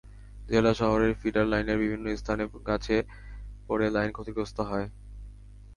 জেলা শহরের ফিডার লাইনের বিভিন্ন স্থানে গাছ পড়ে লাইন ক্ষতিগ্রস্ত হয়।